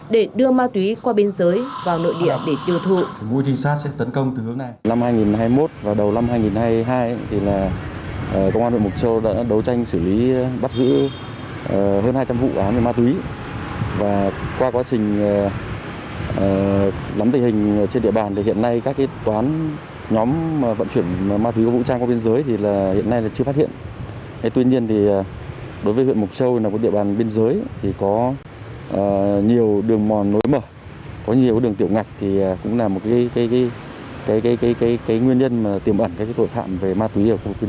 để đưa ma túy qua bên dưới vào nội địa để tiêu thụ